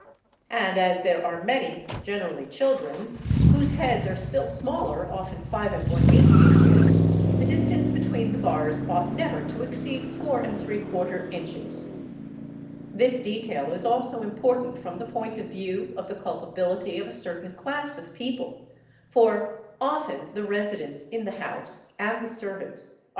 And as there are many (generally children) whose heads are still smaller (often 5h inches), the distance between the bars ought never to exceed 4% inches. This detail is also important from the point of view of the culpability of a certain class of people, for often the residents in the house and the servants are Fig.